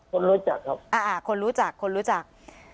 คนรู้จักครับอ่าคนรู้จักคนรู้จัก